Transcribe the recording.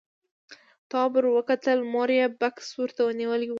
تواب ور وکتل، مور يې بکس ورته نيولی و.